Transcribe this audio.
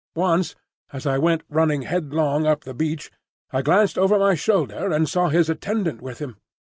Once, as I went running headlong up the beach, I glanced over my shoulder and saw his attendant with him.